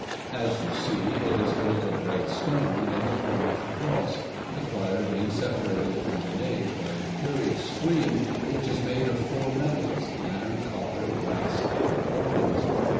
As you see, it is built of red stone, in the form of a cross, the choir being separated from the nave by a curious screen, which is made of four metals iron, copper, brass, and bronze.